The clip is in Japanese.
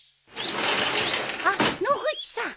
あっ野口さん。